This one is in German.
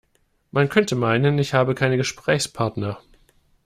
Man könnte meinen, ich habe keine Gesprächspartner.